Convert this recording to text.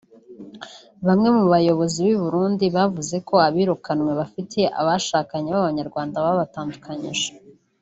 Bamwe mu bayobozi b’i Burundi bavuze ko abirukanywe bafite abo bashakanye b’Abanyarwanda babatandukanyije